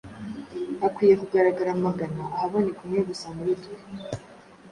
Hakwiye kugaragara amagana ahaboneka umwe gusa muri twe,